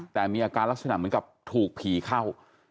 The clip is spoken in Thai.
แต่มีอาการลักษณะเหมือนกับถูกผีเข้า